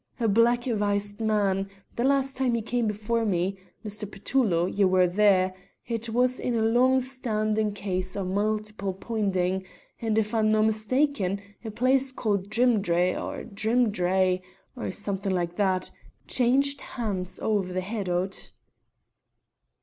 A black avised man; the last time he came before me Mr. Petullo, ye were there it was in a long standing case o' multiple poinding, and if I'm no'mistaken, a place ca'd Drimadry or Drimdarry, or something like that, changed hands ower the head o't."